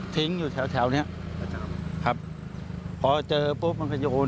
ทิ้งอยู่แถวแถวเนี้ยครับพอเจอปุ๊บมันกระโยน